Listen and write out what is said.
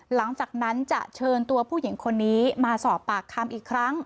หลังจากนั้นจะเชิญตัวผู้หญิงคนนี้มาสอบปากคำอีกครั้ง